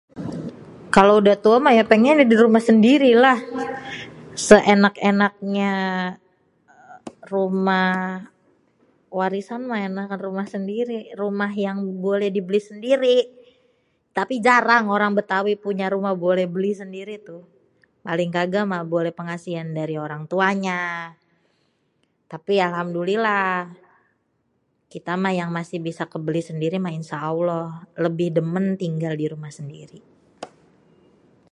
Kalo udah tuê ya pengennya dirumah sendiri ya, sêènak-ènaknya dirumah warisan si ènakan dirumah sendiri rumah yang beli sendiri tapi jarang orang bêtawi punya rumah boleh beli sendiri gitupaling kaga boleh pengasihan dari orang tuanya tapi alhamdulillah kita mah yang masih bisa kèbeli sendiri mah insha allah lebih dêmên tinggal dirumah sendiri.